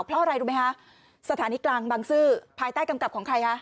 เพราะอะไรรู้ไหมคะสถานีกลางบังซื้อภายใต้กำกับของใครคะ